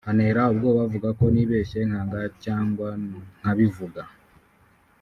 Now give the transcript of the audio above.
antera ubwoba avuga ko nibeshye nkanga cyangwa nkabivuga